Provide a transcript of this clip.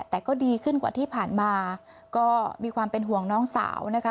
แต่ก็ดีขึ้นกว่าที่ผ่านมาก็มีความเป็นห่วงน้องสาวนะคะ